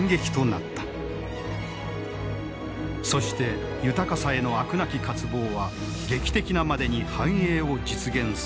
そして豊かさへの飽くなき渇望は劇的なまでに繁栄を実現させた。